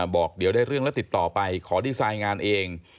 บอกเดี๋ยวได้เรื่องแล้วติดต่อไปขอดีไซน์งานเอง